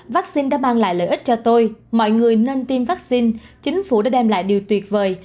vaccine đã mang lại lợi ích cho tôi mọi người nên tiêm vaccine chính phủ đã đem lại điều tuyệt vời